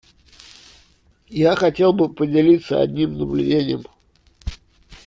Я хотел бы поделиться одним наблюдением.